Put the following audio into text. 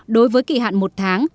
đối với kỳ hạn một tháng